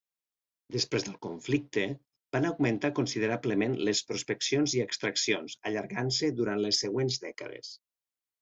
Després del conflicte, van augmentar considerablement les prospeccions i extraccions, allargant-se durant les següents dècades.